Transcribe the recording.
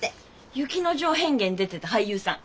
「雪之丞変化」に出てた俳優さん？